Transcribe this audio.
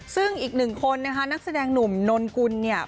ซึ่งอีกหนึ่งคนนะคะนักแสดงหนุ่มนนกุลเนี่ย